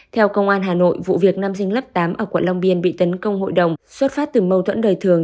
theo công an hà nội vụ việc nam sinh lớp tám ở quận long biên bị tấn công hội đồng xuất phát từ mâu thuẫn đời thường